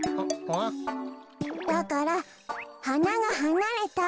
だからはながはなれた。